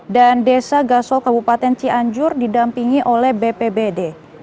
dan desa gasol kabupaten cianjur didampingi oleh bpbd